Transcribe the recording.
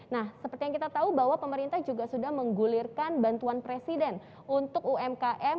nah seperti yang kita tahu bahwa pemerintah juga sudah menggulirkan bantuan presiden untuk umkm